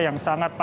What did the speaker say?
yang sangat berat